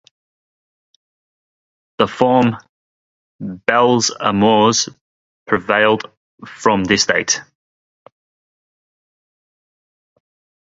The form "Belles Amours" prevailed from this date.